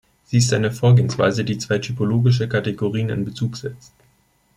Sie ist eine Vorgehensweise, die zwei typologische Kategorien in Bezug setzt.